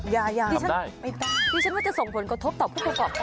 อย่าทำได้ไม่ได้นี่ฉันว่าจะส่งผลกระทบต่อผู้ประกอบการ